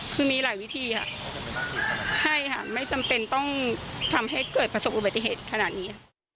คือมีหลายวิธีค่ะใช่ค่ะไม่จำเป็นต้องทำให้เกิดประสบอุบัติเหตุขนาดนี้